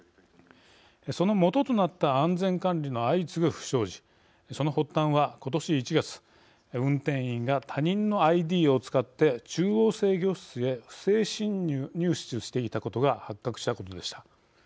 そのもととなった安全管理の相次ぐ不祥事その発端は、ことし１月運転員が他人のＩＤを使って中央制御室へ不正入室していたことが発覚したことでした。